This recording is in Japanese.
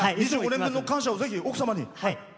２５年分の感謝を奥様に。